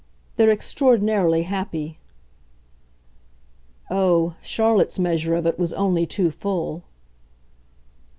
"They're extraordinarily happy." Oh, Charlotte's measure of it was only too full.